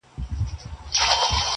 تار کي د هنر پېلي سپیني ملغلري دي,